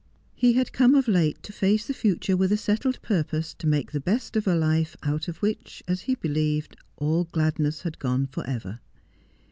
He had come of late to face the future with a settled pur pose to make the best of a life out of which, as he believed, all gladness had gone for ever.